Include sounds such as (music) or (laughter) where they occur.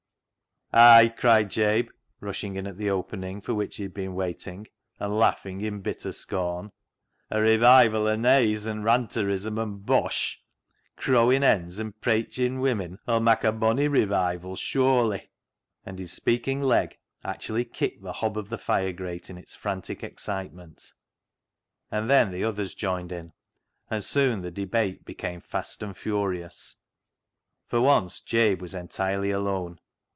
" Ay," cried Jabe, rushing in at the opening for which he had been waiting, and laughing in bitter scorn. " A revival o' neyse (noise) an' Ranterism an' bosh ! Crowin' hens an' preychin' women 'ull mak' a bonny revival sure//." And his speaking leg actually kicked the hob of the fire grate in its frantic excite ment. And then the others joined in, and soon the debate become fast and furious. For once Jabe was entirely alone.